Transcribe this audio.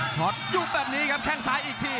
ช็อตยุบแบบนี้ครับแข้งซ้ายอีกที